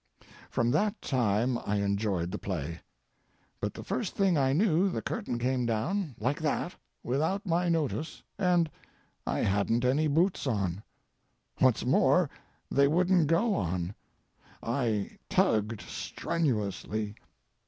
From that time I enjoyed the play. But the first thing I knew the curtain came down, like that, without my notice, and—I hadn't any boots on. What's more, they wouldn't go on. I tugged strenuously.